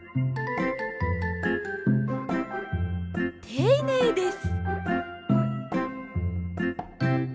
ていねいです。